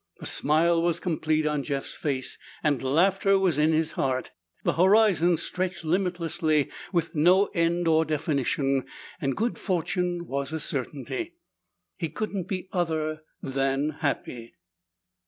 The smile was complete on Jeff's face, and laughter was in his heart. The horizon stretched limitlessly, with no end or definition, and good fortune was a certainty. He couldn't be other than happy.